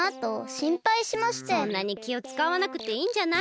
そんなにきをつかわなくていいんじゃない？